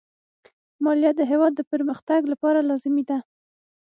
مالیه د هېواد پرمختګ لپاره لازمي ده.